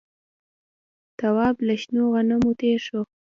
تواب له شنو غنمو تېر شو.